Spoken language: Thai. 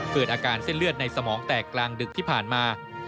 เกิดอาการเส้นเลือดในสมองแตกกลางดึกที่ผ่านมา